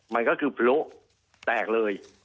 มันก็คือโละแตกเลย